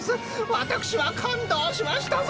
私は感動しましたぞ。